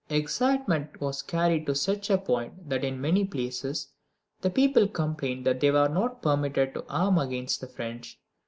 Excitement was carried to such a point that in many places the people complained that they were not permitted to arm against the French.